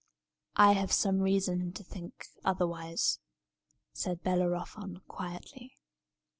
"I have some reason to think otherwise," said Bellerophon, quietly.